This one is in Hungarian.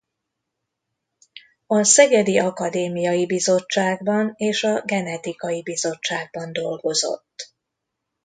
A Szegedi Akadémiai Bizottságban és a Genetikai Bizottságban dolgozott.